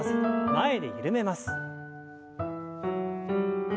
前で緩めます。